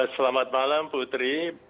selamat malam putri